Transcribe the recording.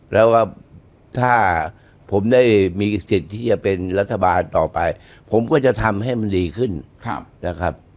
แล้วว่าถ้าผมได้มีสิทธิ์ที่จะเป็นรัฐบาลต่อไปผมก็จะทำให้มันดีขึ้นนะครับ